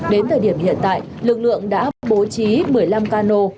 đến thời điểm hiện tại lực lượng đã bố trí một mươi năm cano